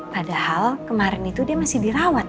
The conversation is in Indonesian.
padahal kemarin itu dia masih dirawat